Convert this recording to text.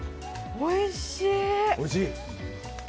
おいしい！